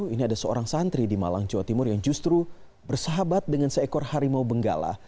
ini ada seorang santri di malang jawa timur yang justru bersahabat dengan seekor harimau benggala